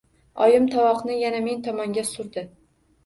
Oyim tovoqni yana men tomonga surdi.